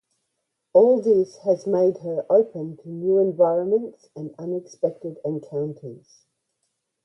All this has made her open to new environments and unexpected encounters.